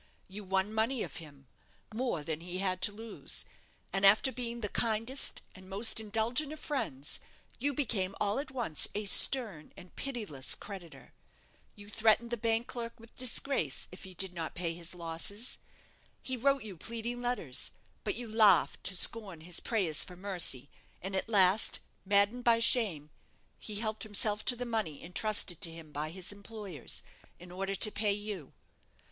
You won money of him more than he had to lose; and after being the kindest and most indulgent of friends, you became all at once a stern and pitiless creditor. You threatened the bank clerk with disgrace if he did not pay his losses. He wrote you pleading letters; but you laughed to scorn his prayers for mercy, and at last, maddened by shame, he helped himself to the money entrusted to him by his employers, in order to pay you.